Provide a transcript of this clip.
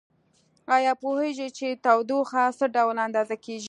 ایا پوهیږئ چې تودوخه څه ډول اندازه کیږي؟